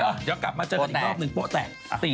เดี๋ยวกลับมาเจอกันอีกรอบหนึ่งโป๊ะแตก